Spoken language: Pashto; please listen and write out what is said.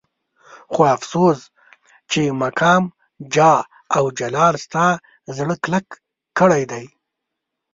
خو افسوس چې مقام جاه او جلال ستا زړه کلک کړی دی.